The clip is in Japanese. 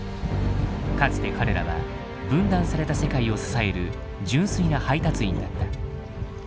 かつて彼らは分断された世界を支える純粋な配達員だった。